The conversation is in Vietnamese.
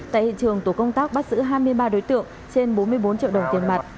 tại hiện trường tổ công tác bắt giữ hai mươi ba đối tượng trên bốn mươi bốn triệu đồng tiền mặt